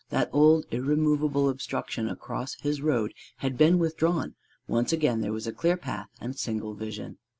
That old irremovable obstruction across his road had been withdrawn: once again there was a clear path and single vision.